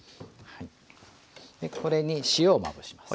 これに塩をまぶします。